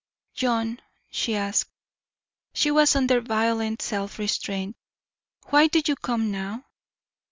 "John," she asked, she was under violent self restraint, "why do you come now?"